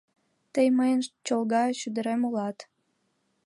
Тый мыйын Чолга шӱдырем улат.